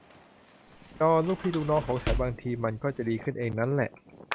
จอห์น ลูกพี่ลูกน้องของฉัน บางที มันก็จะดีขึ้นเองนั้นแหละ